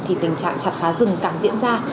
thì tình trạng chặt phá rừng càng diễn ra